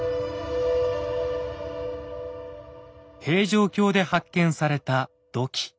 平城京で発見された土器。